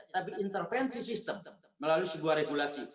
tapi intervensi sistem melalui sebuah regulasi